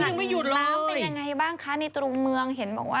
ยังไม่หยุดล้างเป็นยังไงบ้างคะในตรงเมืองเห็นบอกว่า